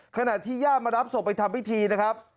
ขณะที่ญาติมารับศพไปทำพิธีนะครับ